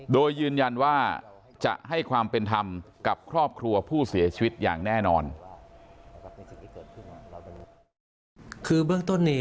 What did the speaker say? โดยยืนยันว่าจะให้ความเป็นธรรมกับครอบครัวผู้เสียชีวิตอย่างแน่นอน